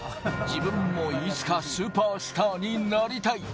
自分もいつかスーパースターになりたい。